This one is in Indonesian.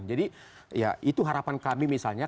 jadi ya itu harapan kami misalnya